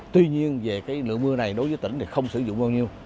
tuy nhiên về lượng mưa này đối với tỉnh thì không sử dụng bao nhiêu